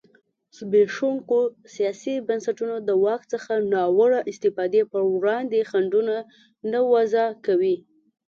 زبېښونکي سیاسي بنسټونه د واک څخه ناوړه استفادې پر وړاندې خنډونه نه وضعه کوي.